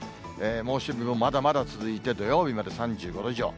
猛暑日もまだまだ続いて、土曜日まで３５度以上。